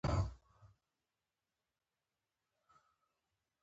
د بندونو درد لپاره د تورې دانې تېل وکاروئ